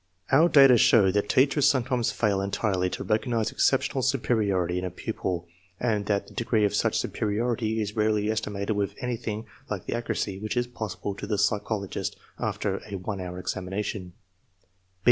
Our data show that teachers sometimes fail entirely to recognize exceptional superiority in a pupil, and that the degree of such superiority is rarely estimated with anything like the accuracy which is possible to the psychologist after a one hour examination.